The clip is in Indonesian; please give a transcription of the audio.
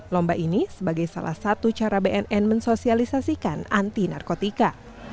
lomba ini sebagai salah satu cara bnn mensosialisasikan anti narkotika